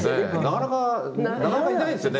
なかなかなかなかいないですよね